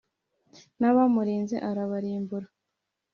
n'abamurinze arabarimbura.